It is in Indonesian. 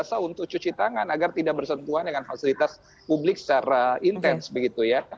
biasa untuk cuci tangan agar tidak bersentuhan dengan fasilitas publik secara intens begitu ya